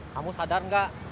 kamu sadar nggak